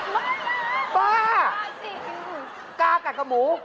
เห้ออ๊ะปลากลากัดกับหมู